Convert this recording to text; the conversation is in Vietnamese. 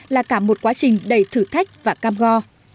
là cả một quá trình đầy thử thách và cam go